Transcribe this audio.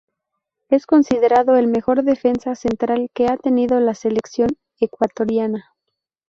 Es considerado el mejor defensa central que ha tenido la Selección Ecuatoriana.